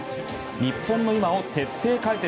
日本の“今”を徹底解説！